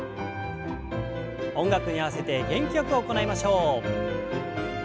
音楽に合わせて元気よく行いましょう。